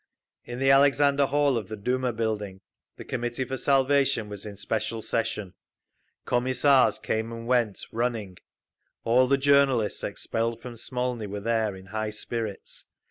In the Alexander Hall of the Duma building the Committee for Salvation was in special session; Commissars came and went, running…. All the journalists expelled from Smolny were there, in high spirits.